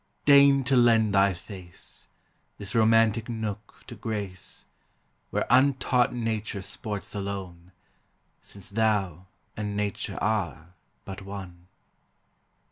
deign to lend thy face, This romantic nook to grace, Where untaught nature sports alone, Since thou and nature are but one.